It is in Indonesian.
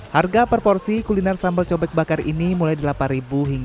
harga per porsi kuliner sambal cobek bakar ini mulai delapan ribu hingga dua puluh satu rupiah dan maksudnya